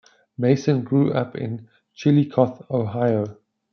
Mason grew up in Chillicothe, Ohio.